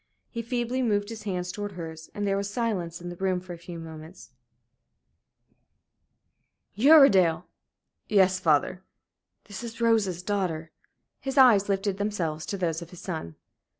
He feebly moved his hands towards hers, and there was silence in the room for a few moments. "Uredale!" "Yes, father." "This is Rose's daughter." His eyes lifted themselves to those of his son.